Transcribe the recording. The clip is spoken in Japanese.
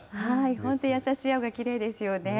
本当、優しい青がきれいですよね。